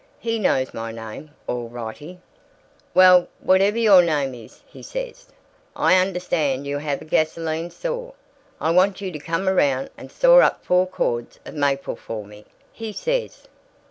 HE knows my name, all rightee. "'Well, whatever your name is,' he says, 'I understand you have a gasoline saw. I want you to come around and saw up four cords of maple for me,' he says.